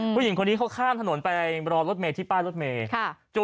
ผู้หญิงคนนี้เขาข้ามถนนไปรอรถเมย์ที่ป้ายรถเมย์